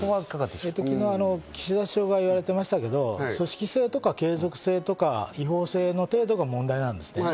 岸田首相が昨日言われてましたけど、組織性とか継続性とか、違法性の程度が問題なんですね。